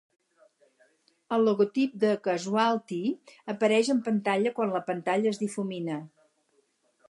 El logotip de "Casualty" apareix en pantalla quan la pantalla es difumina.